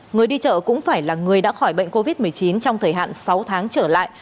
người đi chợ cũng phải là người đã khỏi bệnh covid một mươi chín trong thời hạn sáu tháng trở lại